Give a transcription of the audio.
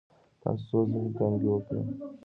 تاسو څو ځلې کانګې وکړې؟